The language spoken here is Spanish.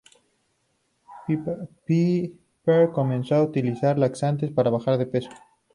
Piper comenzó a utilizar laxantes para bajar de peso.